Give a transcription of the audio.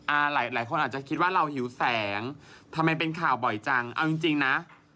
หลายคนอาจจะคิดว่าเราหิวแสงทำไมเป็นข่าวบ่อยจังเอาจริงจริงนะ